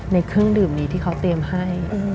เครื่องดื่มนี้ที่เขาเตรียมให้